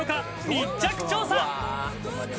密着調査。